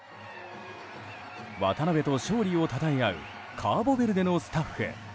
渡邊と勝利をたたえあうカーボベルデのスタッフ。